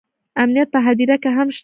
امنیت په هدیره کې هم شته